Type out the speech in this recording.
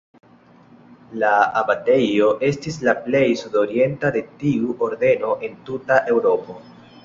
La abatejo estis la plej sudorienta de tiu ordeno en tuta Eŭropo.